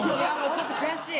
ちょっと悔しい。